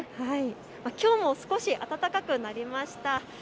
きょうも少し暖かくなりました。